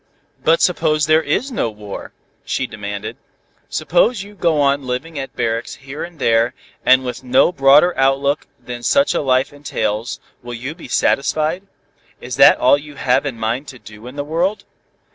"But suppose there is no war," she demanded, "suppose you go on living at barracks here and there, and with no broader outlook than such a life entails, will you be satisfied? Is that all you have in mind to do in the world?"